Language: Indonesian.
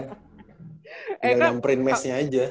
tinggal print matchnya aja